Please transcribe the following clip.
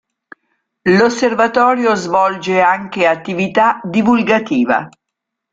L'osservatorio svolge anche attività divulgativa.